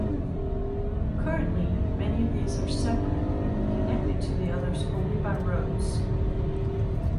Currently, many of these are separate, connected to the others only by roads.